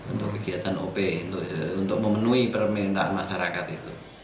untuk kegiatan op untuk memenuhi permintaan masyarakat itu